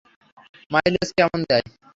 Mileage কেমন দেয়?